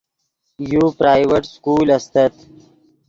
یو پرائیویٹ سکول استت